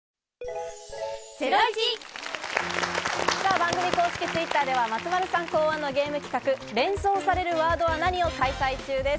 番組公式Ｔｗｉｔｔｅｒでは松丸さん考案のゲーム企画、「連想されるワードは何！？」を開催中です。